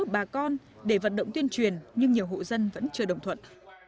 bà con để vận động tuyên truyền nhưng nhiều hộ dân vẫn chưa được